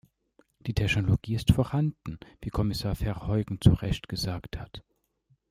Die Technologie ist vorhanden wie Kommissar Verheugen zu Recht gesagt hat.